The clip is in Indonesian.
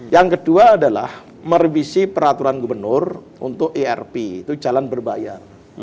yang kedua adalah merevisi peraturan gubernur untuk irp itu jalan berbayar